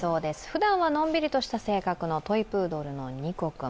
ふだんはのんびりとした性格のトイプードルのニコ君。